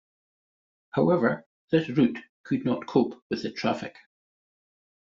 However this route could not cope with the traffic.